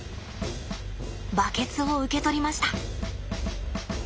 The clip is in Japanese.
バケツを受け取りました。